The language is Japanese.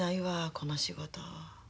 この仕事。